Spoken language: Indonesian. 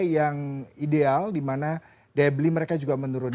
yang ideal dimana daya beli mereka juga menurun